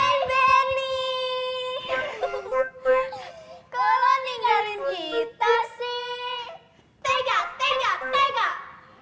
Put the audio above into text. kalau ninggalin kita sih